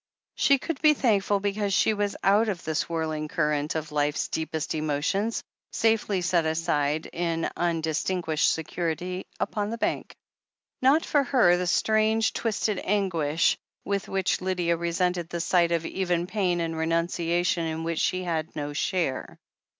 She could be thankful because she was out of the swirling current of life's deepest emotions, safely set aside in undistinguished security upon the bank. Not for her the strange, twisted anguish with which Lydia resented the sight of even pain and renunciation in which she had no share.